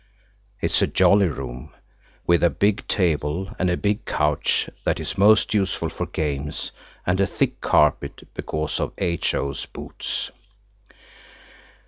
It is a jolly room, with a big table and a big couch, that is most useful for games, and a thick carpet because of H.O.'s boots.